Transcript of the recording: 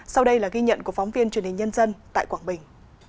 sau đây là ghi nhận của phóng viên truyền hình nhân dân tại quảng bình